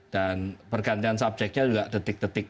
dan pergantian subjeknya juga detik detik